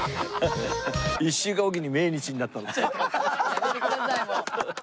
やめてくださいもう。